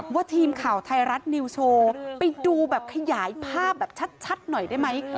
ทีมข่าวไทยรัฐนิวโชว์ไปดูแบบขยายภาพแบบชัดหน่อยได้ไหม